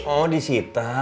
oh di sita